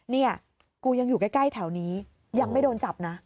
เนี่ยกูยังอยู่ใกล้แถวนี้ยังไม่โดนจับนะ